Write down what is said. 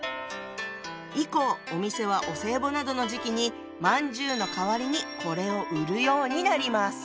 以降お店はお歳暮などの時期にまんじゅうの代わりにこれを売るようになります。